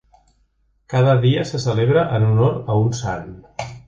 Cada dia se celebra en honor a un Sant.